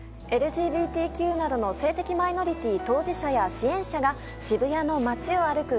ＬＧＢＴＱなどの性的マイノリティー当事者や支援者が渋谷の街を歩く